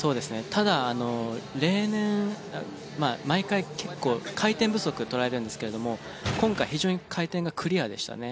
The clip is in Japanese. ただ例年毎回結構回転不足を取られるんですけれども今回非常に回転がクリアでしたね。